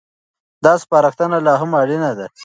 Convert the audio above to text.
دا سپارښتنه لا هم اړينه ده.